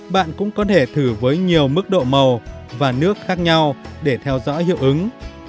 bạn cũng có thể thử với nhiều mức độ màu và nước khác nhau để theo dõi hiệu ứng